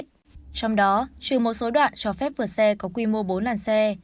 trong đó trừ một số đoạn cho phép vượt xe có quy mô bốn làn xe